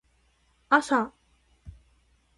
あさ